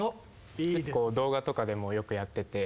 結構動画とかでもよくやってて。